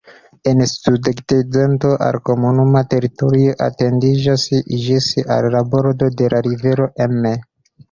En sudokcidento al komunuma teritorio etendiĝas ĝis al la bordo de la rivero Emme.